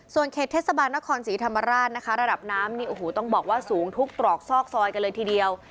ส่วนเขตเทศบาลนครศรีธรรมราชนะคะระดับน้ำนี่โอ้โหต้องบอกว่าสูงทุกตรอกซอกซอยกันเลยทีเดียว